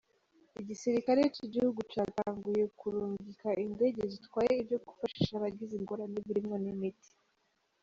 Igisirikare c'igihugu catanguye kurungika indege zitwaye ivyo gufashisha abagize ingorane birimwo n'imiti.